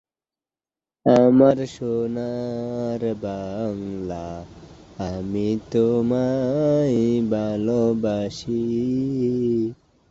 মাঠটি উপজেলা পরিষদের সন্নিকটে বাসষ্ট্যান্ড-এর পাশে অবস্থিত।